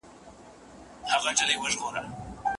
که سره وژنئ که نه، ماته مې زکات راوړئ